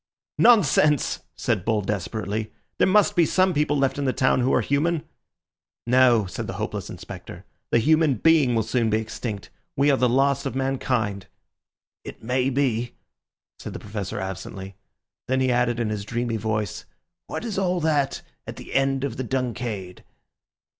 "Nonsense!" said Bull desperately; "there must be some people left in the town who are human." "No," said the hopeless Inspector, "the human being will soon be extinct. We are the last of mankind." "It may be," said the Professor absently. Then he added in his dreamy voice, "What is all that at the end of the 'Dunciad'?